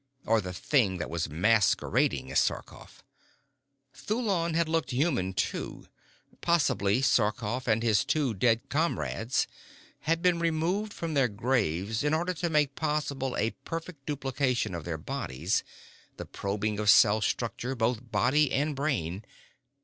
Or the thing that was masquerading as Sarkoff. Thulon had looked human too. Possibly Sarkoff and his two dead comrades had been removed from their graves in order to make possible a perfect duplication of their bodies, the probing of cell structure, both body and brain.